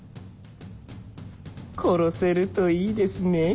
殺せるといいですね